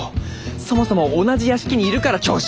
そもそも同じ屋敷にいるから調子が出ぬのじゃ！